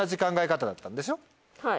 はい。